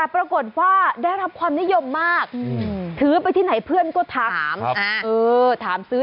ปรากฏว่าได้รับความนิยมมากถือไปที่ไหนเพื่อนก็ถามซื้อ